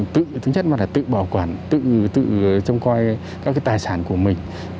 tự bảo quản tự trông coi các tài sản của mình